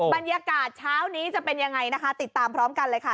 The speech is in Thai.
บรรยากาศเช้านี้จะเป็นยังไงนะคะติดตามพร้อมกันเลยค่ะ